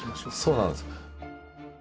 そうなんです。